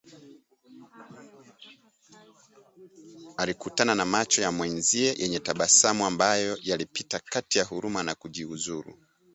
Alikutana na macho ya mwenzie yenye tabasamu ambayo yalipita kati ya huruma na kujiuzulu